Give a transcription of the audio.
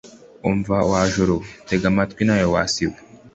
Umva wa juru we, tega amatwi nawe wa si we